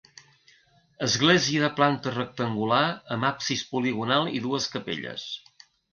Església de planta rectangular amb absis poligonal i dues capelles.